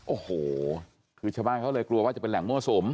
โอ้โหคือชาวบ้านเขาเลยกลัวว่าจะเป็นแหล่งมั่วสุม